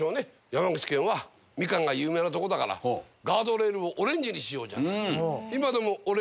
「山口県はみかんが有名なとこだからガードレールをオレンジにしようじゃないか」。